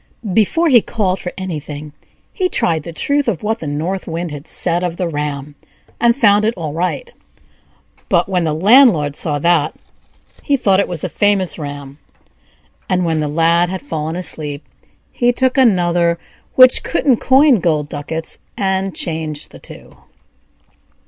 Before he called for anything, he tried the truth of what the North Wind had said of the ram, and found it all right; but, when the landlord saw that, he thought it was a famous ram, and, when the Lad had fallen asleep, he took another which couldn't coin gold ducats, and changed the two.